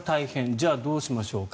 じゃあどうしましょうか。